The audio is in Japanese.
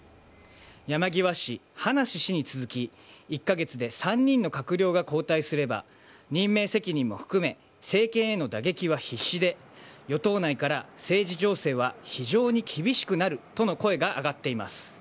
山際氏、葉梨氏に続き１カ月で３人の閣僚が交代すれば任命責任も含め政権への打撃は必至で与党内から政治情勢は非常に厳しくなるとの声が上がっています。